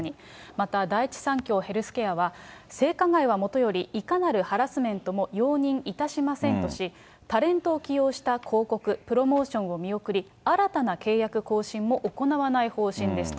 また第一三共ヘルスケアは、性加害はもとより、いかなるハラスメントも容認いたしませんとし、タレントを起用した広告、プロモーションを見送り、新たな契約・更新も行わない方針ですと。